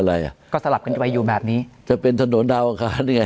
มันจะเป็นอะไรอ่ะก็สลับกันไว้อยู่แบบนี้จะเป็นถนนดาวอาคารนี่ไง